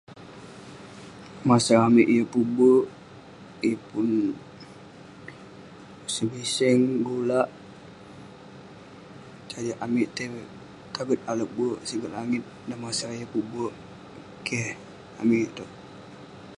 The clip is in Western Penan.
Masa amik yeng pun berk, yeng pun usen biseng, gulak..keh amik petaget alek berk sigeg langit.. dan masa yeng pun berk..keh amik itouk..